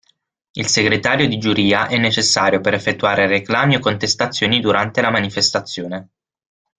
Il segretario di giuria è necessario per effettuare reclami o contestazioni durante la manifestazione.